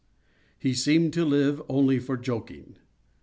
He seemed to live only for joking.